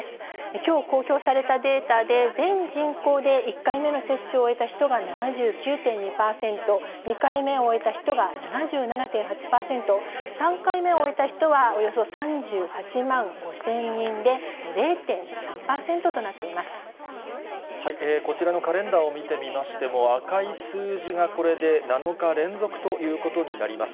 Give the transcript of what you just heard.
きょう公表されたデータで、全人口で１回目の接種を終えた人が７９．２％、２回目を終えた人が７７．８％、３回目を終えた人はおよそ３８万５０００人で、０．３％となってこちらのカレンダーを見てみましても、赤い数字がこれで７日連続ということになります。